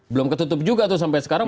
belum ketutup juga tuh sampai sekarang